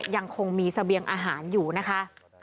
ยังคงมีเสบียงอาหารอยู่นะคะ